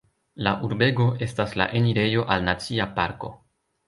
La urbego estas la enirejo al Nacia Parko.